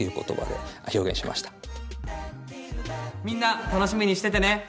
みんな、楽しみにしててね。